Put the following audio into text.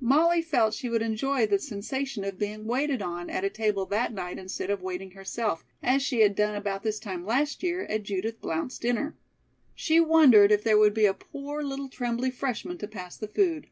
Molly felt she would enjoy the sensation of being waited on at table that night instead of waiting herself, as she had done about this time last year at Judith Blount's dinner. She wondered if there would be a poor little trembly freshman to pass the food.